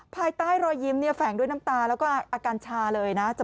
ภายใต้รอยยิ้มแฝงด้วยน้ำตาแล้วก็อาการชาเลยนะ